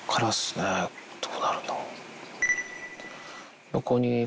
どうなるの。